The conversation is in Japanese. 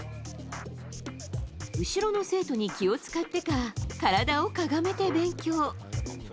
後ろの生徒に気を使ってか体をかがめて勉強。